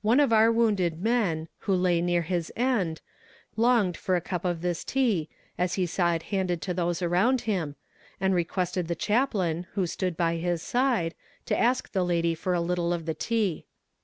One of our wounded men, who lay near his end, longed for a cup of this tea as he saw it handed to those around him, and requested the chaplain, who stood by his side, to ask the lady for a little of the tea.